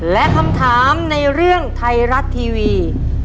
และคำถามในเรื่องไทยรัฐทีวี